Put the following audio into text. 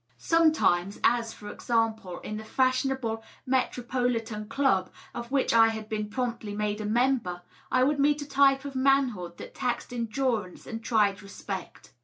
Some times — ^as, for example, in the fashionable Metropolitan Club of which I had been promptly made a member — I would meet a type of man hood that taxed endurance and tried respect.